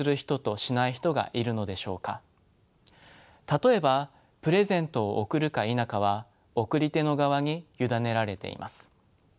例えばプレゼントを贈るか否かは送り手の側に委ねられています。